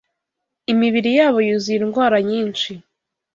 Imibiri yabo yuzuye indwara nyinshi